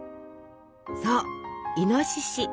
そうイノシシ！